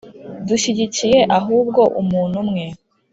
dushyigikiye ahubwo umuntu umwe